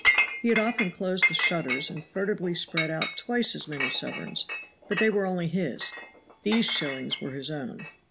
He had often closed the shutters and furtively spread out twice as many sovereigns, but they were only his, these shillings were his own.